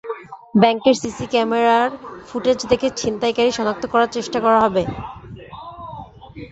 ব্যাংকের সিসি ক্যামেরার ফুটেজ দেখে ছিনতাইকারী শনাক্ত করার চেষ্টা করা হবে।